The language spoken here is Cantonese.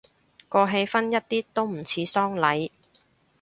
個氣氛一啲都唔似喪禮